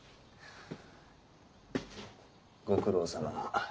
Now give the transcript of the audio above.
ご苦労さま。